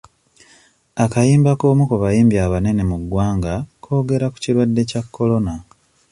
Akayimba k'omu ku bayimbi abanene mu ggwanga koogera ku kirwadde kya Corona.